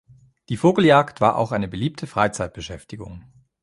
Die Vogeljagd war auch eine beliebte Freizeitbeschäftigung.